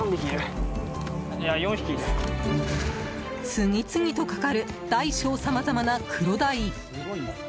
次々とかかる大小さまざまなクロダイ。